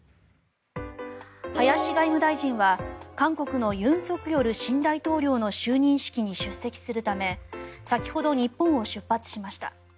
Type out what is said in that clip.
林外務大臣は韓国の尹錫悦新大統領の就任式に出席するため先ほど日本を出発しました。